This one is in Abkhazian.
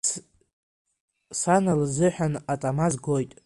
Сан лзыҳәан атама згоит!